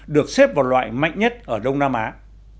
được xếp vào loại mạnh nhất ở đất nước